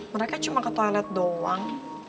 mereka cuma ke toilet doang